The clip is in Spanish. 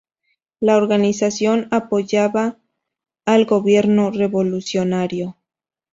La organización apoyaba al gobierno revolucionario.